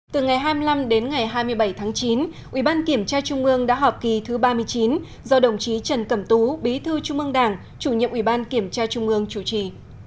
từ ngày hai mươi năm đến ngày hai mươi bảy tháng chín ủy ban kiểm tra trung ương đã họp kỳ thứ ba mươi chín do đồng chí trần cẩm tú bí thư trung ương đảng chủ nhiệm ủy ban kiểm tra trung ương chủ trì